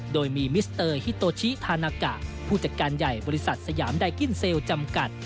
โดยมีมิสเตอร์ฮิโตชิธานากะผู้จัดการใหญ่บริษัทสยามไดกินเซลล์จำกัด